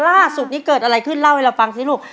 ล่าสุดนี้เกิดอะไรขึ้นเล่าให้เราฟังสิลูก